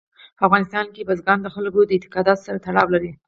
په افغانستان کې بزګان د خلکو د اعتقاداتو سره تړاو لري.